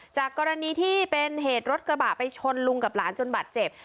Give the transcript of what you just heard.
จากกรณีที่เป็นเหตุรถกระบะไปชนลุงกับหลานจนบาดเจ็บ